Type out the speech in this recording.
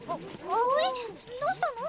どうしたの？